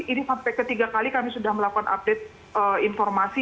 ini sampai ketiga kali kami sudah melakukan update informasi